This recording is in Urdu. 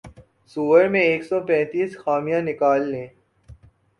سؤر میں ایک سو پینتیس خامیاں نکال لیں